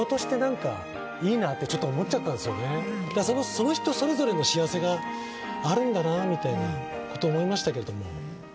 その人それぞれの幸せがあるんだなみたいなこと思いましたけれども。